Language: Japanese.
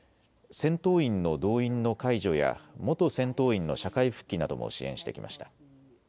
戦闘員の動員の解除や元戦闘員の社会復帰なども支援してきました。